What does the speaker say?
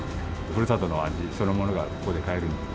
ふるさとの味そのものがここで買えるので。